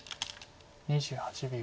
２８秒。